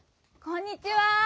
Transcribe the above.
こんにちは。